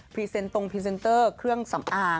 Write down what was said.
เซ็นตรงพรีเซนเตอร์เครื่องสำอาง